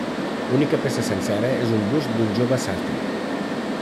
L'única peça sencera és un bust d'un jove sàtir.